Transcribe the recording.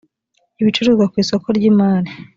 ibicuruzwa ku isoko ry imari